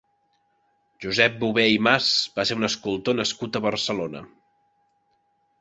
Josep Bover i Mas va ser un escultor nascut a Barcelona.